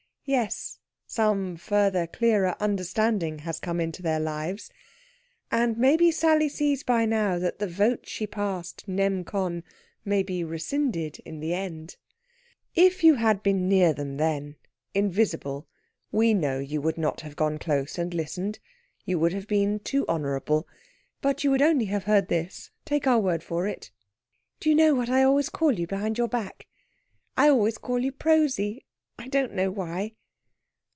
Yes, some further clearer understanding has come into their lives, and maybe Sally sees by now that the vote she passed nem. con. may be rescinded in the end. If you had been near them then, invisible, we know you would not have gone close and listened. You would have been too honourable. But you would only have heard this take our word for it! "Do you know what I always call you behind your back? I always call you Prosy. I don't know why."